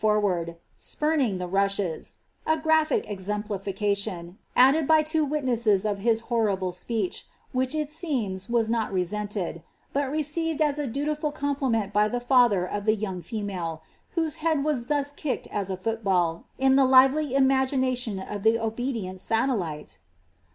forward, spurninf the rashes ;' a gmphic exemplifieation, added bj tm% witnesses of his horrible speech, which it seems was not resented, liiit received as a dutiful compliment by the father of the young femik, whose head was thus kicked as a football, in the lively imagination of the obedient satellite